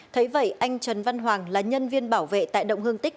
thấy vậy anh trần văn hoàng là nhân viên bảo vệ tại động hương tích